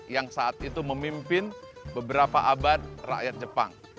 yang saat itu memimpin beberapa abad rakyat jepang